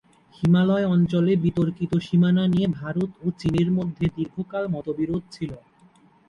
হিমালয় অঞ্চলে বিতর্কিত সীমানা নিয়ে ভারত ও চীনের মধ্যে দীর্ঘকাল মতবিরোধ ছিল।